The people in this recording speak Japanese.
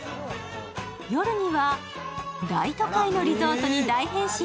夜には大都会のリゾートに大変身。